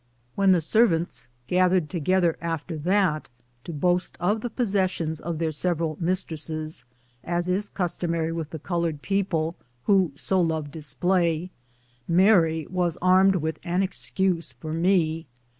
When the servants gathered together after that to boast of the possessions of their several mistresses, as is custom ary witli the colored people, who so love display, Mary was armed with an excuse for me.